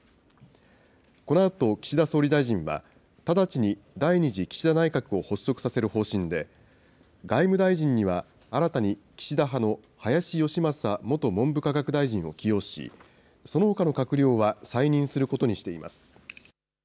このあと岸田総理大臣は、直ちに第２次岸田内閣を発足させる方針で、外務大臣には新たに岸田派の林芳正元文部科学大臣を起用し、そのほかの閣僚は再任することにしています。